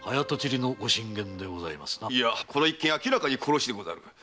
いやこの一件明らかに殺しでござる。